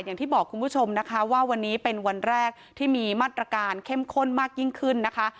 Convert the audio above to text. อย่างที่บอกคุณผู้ชมนะคะว่าวันนี้เป็นวันแรกที่มีมาตรการเข้มข้นมากยิ่งขึ้นนะคะ